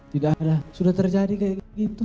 tidak ada sudah terjadi kayak gitu